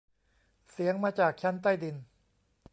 เสียงมาจากชั้นใต้ดิน